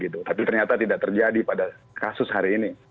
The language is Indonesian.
tapi ternyata tidak terjadi pada kasus hari ini